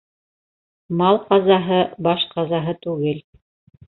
Мал ҡазаһы баш ҡазаһы түгел.